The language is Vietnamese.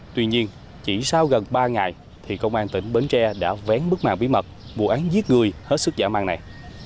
tuy nhiên chỉ sau gần ba ngày thì công an tỉnh bến tre đã vén bức mạng bí mật vụ án giết người hết sức giả mạng này